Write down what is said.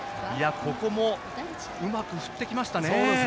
ここもうまく振ってきましたね。